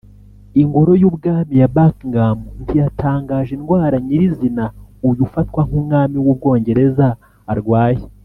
Ingoro y’ubwami ya Buckingham ntiyatangaje indwara nyiri’izina uyu ufatwa nk’umwami w’u Bwongereza arwaye